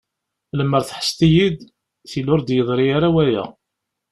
Lemmer tḥesseḍ-iyi-d, tili ur d-yeḍṛi ara waya.